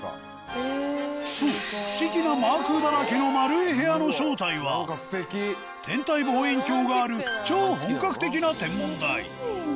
不思議なマークだらけの丸い部屋の正体は天体望遠鏡がある超本格的な天文台！